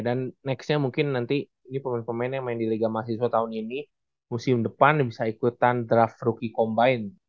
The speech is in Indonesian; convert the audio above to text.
dan nextnya mungkin nanti ini pemain pemain yang main di liga mahasiswa tahun ini musim depan bisa ikutan draft rookie combine